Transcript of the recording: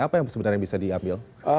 apa yang sebenarnya bisa diambil